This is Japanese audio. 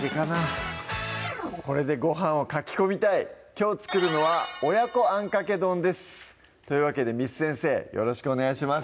これでご飯をかき込みたいきょう作るのは「親子あんかけ丼」ですというわけで簾先生よろしくお願いします